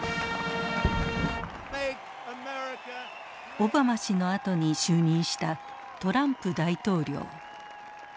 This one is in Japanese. オバマ氏のあとに就任したトランプ大統領。